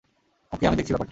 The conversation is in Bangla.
ওকে, আমি দেখছি ব্যাপারটা।